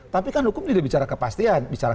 tapi kan hukum tidak bicara kepastian bicara